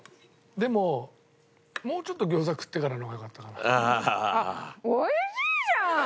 でももうちょっと餃子食ってからの方がよかったかな。